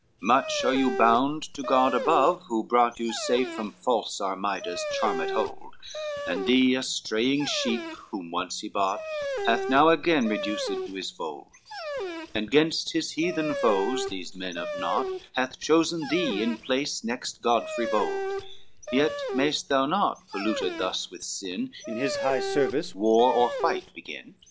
VII "Much are you bound to God above, who brought You safe from false Armida's charmed hold, And thee a straying sheep whom once he bought Hath now again reduced to his fold, And gainst his heathen foes these men of naught Hath chosen thee in place next Godfrey bold; Yet mayest thou not, polluted thus with sin, In his high service war or fight begin.